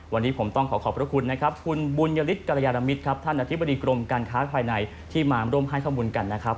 วันนี้ผมต้องขอขอบคุณคุณบุญหริกรายนามิธท่านอธิบดิกรมการค้าภายในที่มาร่วมให้ข้อมูลกันนะครับ